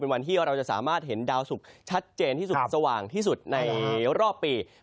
วันที่เราจะสามารถเห็นดาวสุกชัดเจนที่สุดสว่างที่สุดในรอบปี